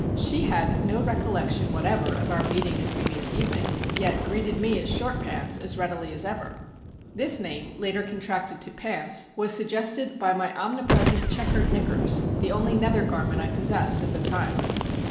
She had no recollection whatever of our meeting of the previous evening, yet greeted me as "Short Pants" as readily as ever. This name, later contracted to "Pants," was suggested by my omnipresent checkered knickers, the only nether garment I possessed at the time.